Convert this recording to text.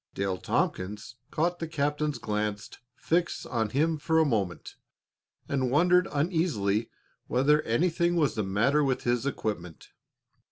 Dale Tompkins caught the captain's glance fixed on him for a moment, and wondered uneasily whether anything was the matter with his equipment.